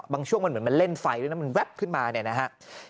บางช่วงเหมือนมันเล่นไฟเลยนะมันแว๊บขึ้นมาเนี่ยนะฮะ